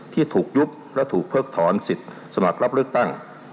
ที่ถูกยุบและถูกเพิกถอนสิทธิ์สมัครรับเลือกตั้ง